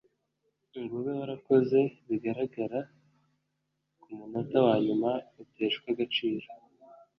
ngo ube warakoze bigaragara ku munota wanyuma uteshwe agaciro